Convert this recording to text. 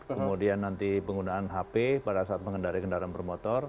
kemudian nanti penggunaan hp pada saat mengendari kendaraan bermotor